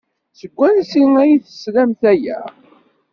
Seg wansi ay d-teslamt aya?